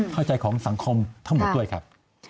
เข้าใจของสังคมทั้งหมดด้วยครับ